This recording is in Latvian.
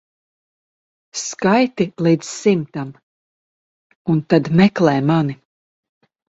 Skaiti līdz simtam un tad meklē mani.